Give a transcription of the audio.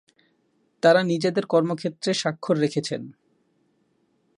তারা নিজেদের কর্মক্ষেত্রে স্বাক্ষর রেখেছেন।